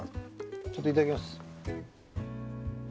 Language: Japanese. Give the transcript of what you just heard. ちょっといただきます！